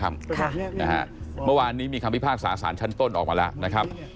เมื่อวานนี้มีคำพิพากษาสารชั้นต้นออกมาแล้วนะครับ